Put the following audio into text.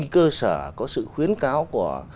cơ sở có sự khuyến cáo của